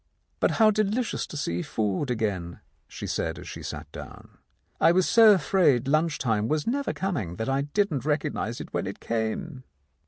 "But how delicious to see food again," she said as she sat down. "I was so afraid lunch time was never coming that I didn't recognize it when it came."